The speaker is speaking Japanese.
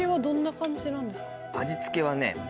味付けはね。